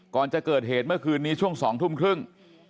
ก่อนจะเกิดเหตุเมื่อคืนนี้ช่วง๒ทุ่มครึ่ง